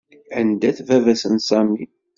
Anda-t baba-s n Sami?